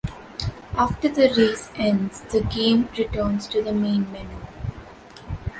After the race ends, the game returns to the main menu.